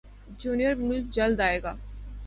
junior Malik جلد ائے گا